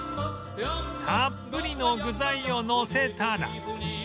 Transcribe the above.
たっぷりの具材をのせたら